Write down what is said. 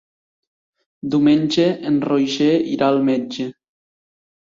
Diumenge en Roger irà al metge.